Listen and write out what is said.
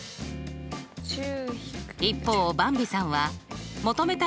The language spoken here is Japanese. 一方ばんびさんは求めたい